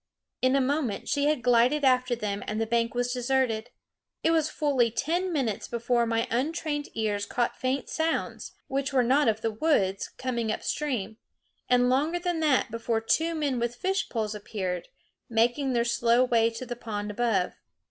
In a moment she had glided after them, and the bank was deserted. It was fully ten minutes before my untrained cars caught faint sounds, which were not of the woods, coming up stream; and longer than that before two men with fish poles appeared, making their slow way to the pond above.